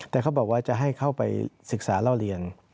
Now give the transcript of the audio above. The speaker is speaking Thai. แต่เขาบอกว่าจะให้เข้าไปศึกษาเล่าเรียน